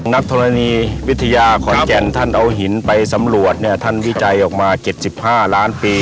ธรณีวิทยาขอนแก่นท่านเอาหินไปสำรวจเนี่ยท่านวิจัยออกมา๗๕ล้านปี